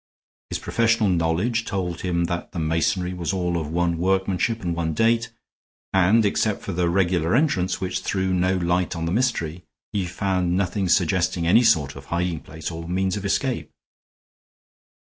His professional knowledge told him that the masonry was all of one workmanship and one date, and, except for the regular entrance, which threw no light on the mystery, he found nothing suggesting any sort of hiding place or means of escape.